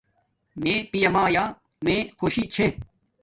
میے پیا مایا میے خوشی چھے